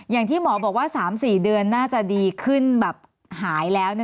อย่างที่หมอบอกว่า๓๔เดือนน่าจะดีขึ้นแบบหายแล้ว